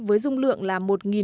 với dung lượng là